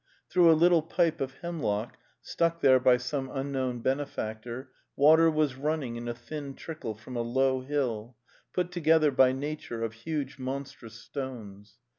Through a lit tle pipe of hemlock stuck there by some unknown benefactor, water was running in a thin trickle from a low hill, put together by nature of huge mon strous stones.